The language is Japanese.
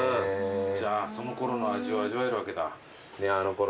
じゃあそのころの味を味わえるわけだ。